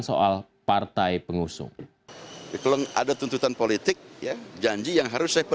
soal partai pengusung